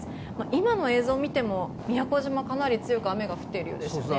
今の映像を見ても宮古島はかなり強く雨が降っているようですね。